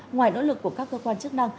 ngoài nỗ lực của các cơ quan chức năng